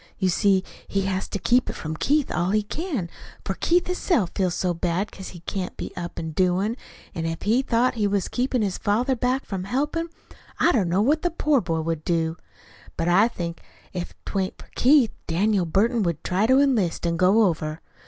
You see, he has to keep it from Keith all he can, for Keith hisself feels so bad 'cause he can't be up an' doin'; an' if he thought he was keepin' his father back from helpin', I don't know what the poor boy would do. But I think if 'twa'n't for Keith, Daniel Burton would try to enlist an' go over.